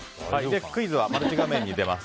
クイズはマルチ画面に出ます。